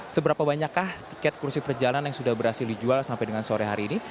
seberapa banyakkah tiket kursi perjalanan yang sudah berhasil dijual sampai dengan sore hari ini